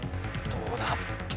どうだ？